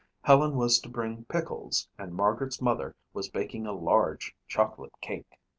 Helen was to bring pickles and Margaret's mother was baking a large chocolate cake.